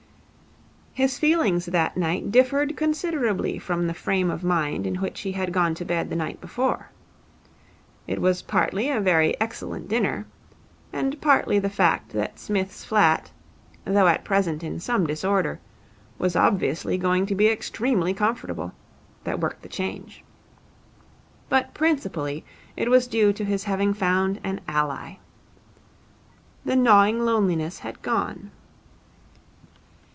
His feelings that night differed considerably from the frame of mind in which he had gone to bed the night before. It was partly a very excellent dinner and partly the fact that Psmith's flat, though at present in some disorder, was obviously going to be extremely comfortable, that worked the change. But principally it was due to his having found an ally. The gnawing loneliness had gone.